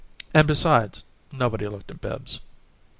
And besides, nobody looked at Bibbs.